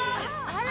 あら！